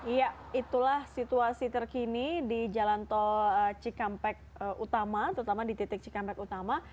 iya itulah situasi terkini di jalan tol cikampek utama terutama di titik cikampek utama